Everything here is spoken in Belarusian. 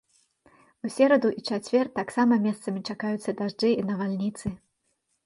У сераду і чацвер таксама месцамі чакаюцца дажджы і навальніцы.